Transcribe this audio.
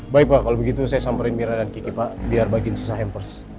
baik pak kalau begitu saya samperin mirna dan kiki pak biar bagian sesah yang pers